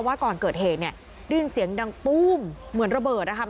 ว่าก่อนเกิดเหตุเนี่ยได้ยินเสียงดังปุ้มเหมือนระเบิดนะคะ